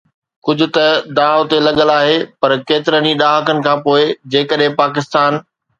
ڪجهه ته داءُ تي لڳل آهي پر ڪيترن ئي ڏهاڪن کانپوءِ جيڪڏهن پاڪستان